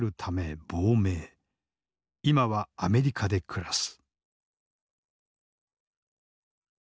今はアメリカで暮らす。